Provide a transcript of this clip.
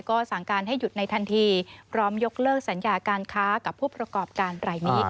ก็สั่งการให้หยุดในทันทีพร้อมยกเลิกสัญญาการค้ากับผู้ประกอบการรายนี้